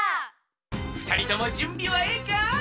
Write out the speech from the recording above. ふたりともじゅんびはええか？